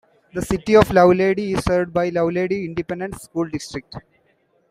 The City of Lovelady is served by the Lovelady Independent School District.